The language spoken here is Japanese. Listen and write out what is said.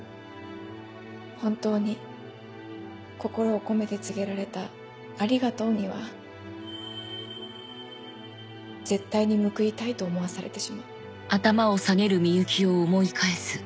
本当に心を込めて告げられた「ありがとう」には絶対に報いたいと思わされてしまう。